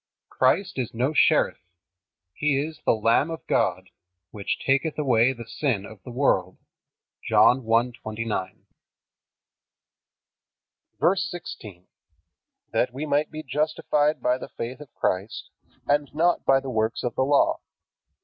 Christ is no sheriff. He is "the Lamb of God, which taketh away the sin of the world." (John 1:29.) VERSE 16. That we might be justified by the faith of Christ, and not by the works of the Law.